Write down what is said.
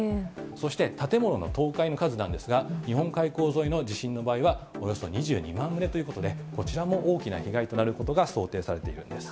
そして、建物の倒壊の数なんですが、日本海溝沿いの地震の場合は、およそ２２万棟ということで、こちらも大きな被害となることが想定されているんです。